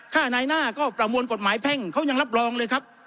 ค่านายหน้าก็ประมวลกฎหมายแพ่งเขายังรับรองเลยครับ